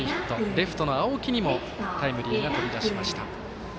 レフトの青木にもタイムリーが飛び出しました。